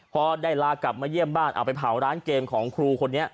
พอได้ลากลับมาเยี่ยมบ้านเอาไปเผาร้านเกมของครูคนนี้